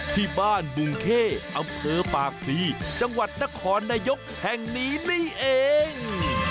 ที่บ้านบุงเข้อำเภอปากพลีจังหวัดนครนายกแห่งนี้นี่เอง